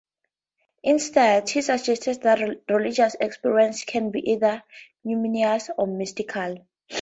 Instead, he suggested that religious experience can be either numinous or mystical.